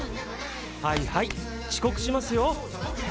はいはい遅刻しますよ。